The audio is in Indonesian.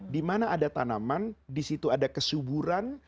di mana ada tanaman di situ ada kesuburan